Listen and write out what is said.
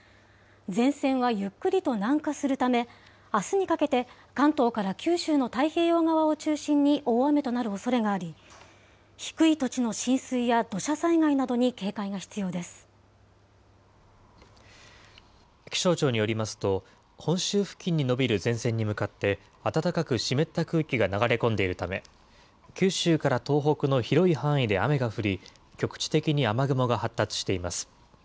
前線はゆっくりと南下するため、あすにかけて関東から九州の太平洋側を中心に大雨となるおそれがあり、低い土地の浸水や土砂災害気象庁によりますと、本州付近に延びる前線に向かって、暖かく湿った空気が流れ込んでいるため、九州から東北の広い範囲で雨が降り、局地的に雨雲が発達しています。